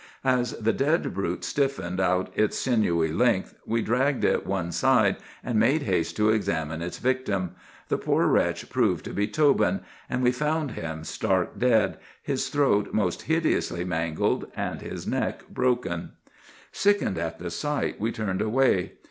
"As the dead brute stiffened out its sinewy length, we dragged it one side and made haste to examine its victim. The poor wretch proved to be Tobin; and we found him stark dead, his throat most hideously mangled, and his neck broken. "Sickened at the sight we turned away.